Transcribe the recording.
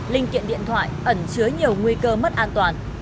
linh kiện điện thoại ẩn chứa nhiều nguy cơ mất an toàn